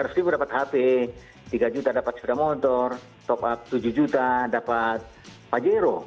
seratus ribu dapat hp tiga juta dapat sepeda motor top up tujuh juta dapat pajero